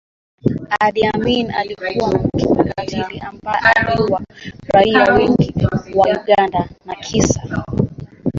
Idi Amin alikuwa ni mtu mkatili ambaye aliua raia wengi wa Uganda na kisha